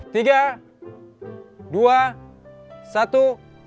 tiga dua satu